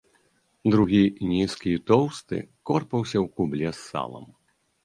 Другі, нізкі і тоўсты, корпаўся ў кубле з салам.